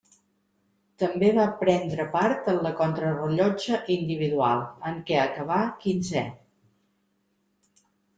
També va prendre part en la contrarellotge individual, en què acabà quinzè.